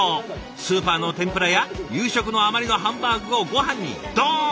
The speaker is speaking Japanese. スーパーの天ぷらや夕食の余りのハンバーグをごはんにドーン。